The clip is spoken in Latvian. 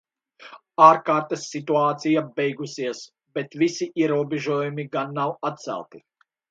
Ārkārtas situācija beigusies, bet visi ierobežojumi gan nav atcelti.